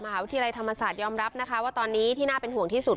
วิทยาลัยธรรมศาสตร์ยอมรับนะคะว่าตอนนี้ที่น่าเป็นห่วงที่สุด